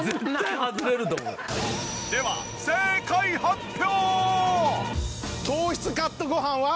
では正解発表！